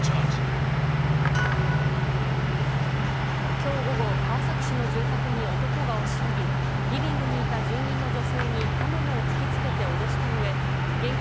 今日午後川崎市の住宅に男が押し入りリビングにいた住人の女性に刃物を突き付けて脅したうえ現金